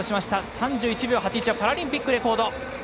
３１秒８１はパラリンピックレコード！